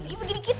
ya begini nya